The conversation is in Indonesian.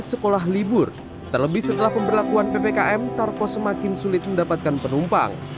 sekolah libur terlebih setelah pemberlakuan ppkm tarko semakin sulit mendapatkan penumpang